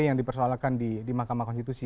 yang dipersoalkan di mahkamah konstitusi